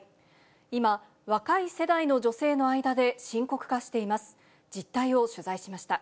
今、若い世代の女性の間で深刻化しています。